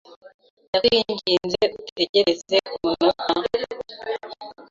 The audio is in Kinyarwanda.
Ndakwinginze utegereze umunota?